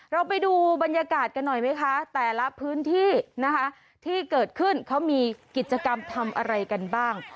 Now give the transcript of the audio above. เราไปดูบรรยากาศกันหน่อยไหมคะแต่ละพื้นที่นะคะที่เกิดขึ้นเขามีกิจกรรมทำอะไรกันบ้าง